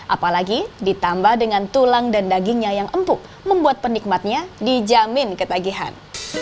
apalagi ditambah dengan tulang dan dagingnya yang empuk membuat penikmatnya dijamin ketagihan